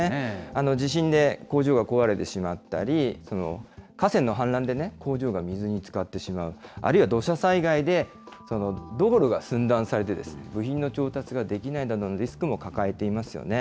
地震で工場が壊れてしまったり、河川の氾濫で工場が水につかってしまう、あるいは土砂災害で道路が寸断されて、部品の調達ができないなどのリスクも抱えていますよね。